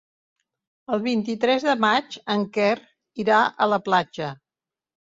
El vint-i-tres de maig en Quer irà a la platja.